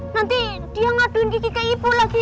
nanti dia ngaduin gigi ke ibu lagi